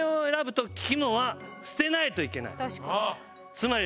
つまり。